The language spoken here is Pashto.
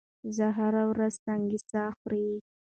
زه هره ورځ سنکس خوري.